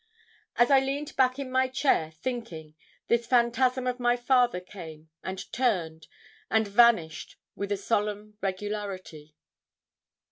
As I leaned back in my chair thinking, this phantasm of my father came, and turned, and vanished with a solemn regularity.